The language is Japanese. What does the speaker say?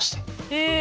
へえ。